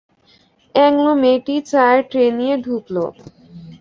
Anglo মেয়েটি চায়ের tray নিয়ে ঢুকল।